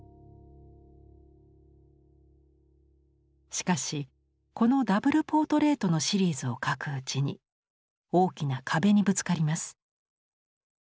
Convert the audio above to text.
しかしこのダブル・ポートレートのシリーズを描くうちに大きな壁にぶつかります。